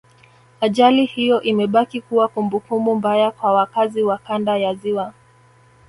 Ajali hiyo imebaki kuwa kumbukumbu mbaya kwa wakazi wa Kanda ya Ziwa